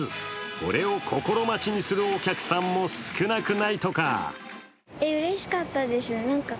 これを心待ちにするお客さんも少なくないとか。